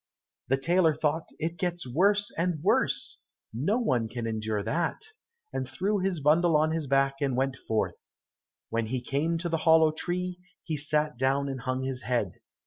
The tailor thought, "It gets worse and worse! No one can endure that?" and threw his bundle on his back, and went forth. When he came to the hollow tree, he sat down and hung his head.